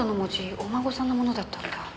お孫さんのものだったんだ。